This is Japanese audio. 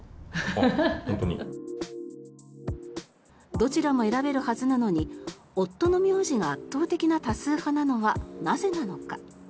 どちらも選べるはずなのに夫の名字が圧倒的な多数派なのはなぜなのか。